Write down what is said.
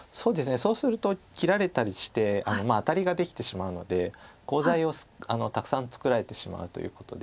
そうすると切られたりしてアタリができてしまうのでコウ材をたくさん作られてしまうということで。